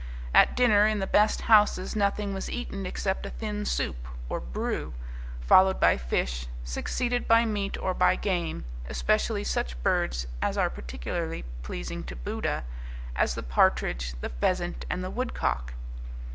At dinner in the best houses nothing was eaten except a thin soup (or bru), followed by fish, succeeded by meat or by game, especially such birds as are particularly pleasing to Buddha, as the partridge, the pheasant, and the woodcock.